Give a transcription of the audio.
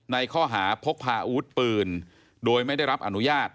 ในข้อหาพกพาอาวุธปืนโดยไม่ได้รับอนุญาต